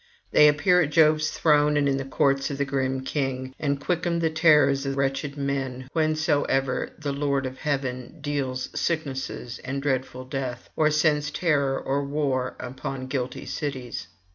They appear at Jove's throne and in the courts of the grim king, and quicken the terrors of wretched men whensoever the lord of heaven deals sicknesses and dreadful death, or sends terror of war upon guilty cities.